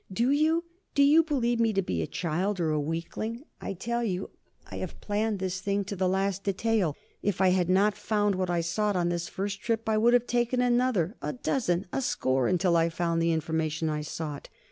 Do you? Do you believe me to be a child, or a weakling? I tell you, I have planned this thing to the last detail. If I had not found what I sought on this first trip, I would have taken another, a dozen, a score, until I found the information I sought.